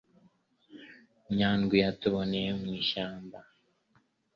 Nyandwi yatuyoboye mu ishyamba.